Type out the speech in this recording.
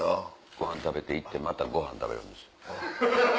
ごはん食べて行ってまたごはん食べるんですよ。